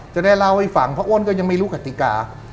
จะได้เล่าให้ฟังเพราะอ้นก็ยังไม่รู้กติกา